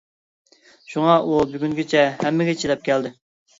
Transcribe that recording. شۇڭا ئۇ بۈگۈنگىچە ھەممىگە چىداپ كەلدى.